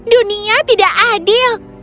dunia tidak adil